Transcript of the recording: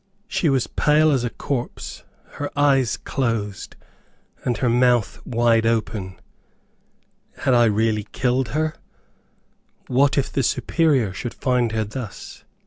She was pale as a corpse, her eyes closed, and her mouth wide open. Had I really killed her? What if the Superior should find her thus?